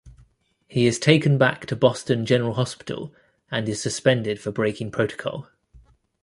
He is taken back to Boston General Hospital and is suspended for breaking protocol.